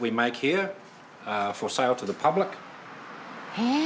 へえ！